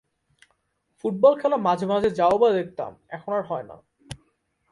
Football খেলা মাঝে মাঝে যাও বা দেখতাম এখন আর হয়না।